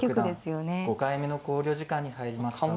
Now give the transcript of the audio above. ５回目の考慮時間に入りました。